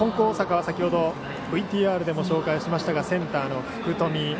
大阪は先ほどＶＴＲでも紹介しましたがセンターの福冨